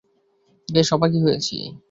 বেশ অবাকই হয়েছি।